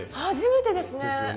初めてですね。